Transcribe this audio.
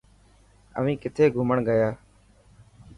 اوهين کٿي گھمڻ گيا.